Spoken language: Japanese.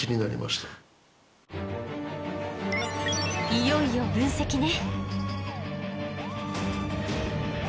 いよいよ分析ね。